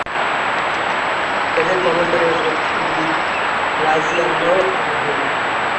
এদের কমান্ডার হযরত খালিদ রাযিয়াল্লাহু আনহু।